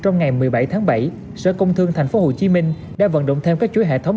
trong ngày một mươi bảy tháng bảy sở công thương tp hcm đã vận động thêm các chuỗi hệ thống